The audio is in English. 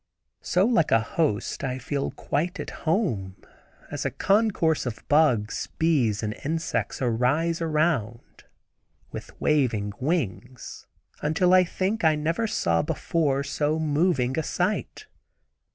So like a host I feel quite at home as a concourse of bugs, bees, and insects arise around, with waving wings, until I think I never saw before so moving a sight.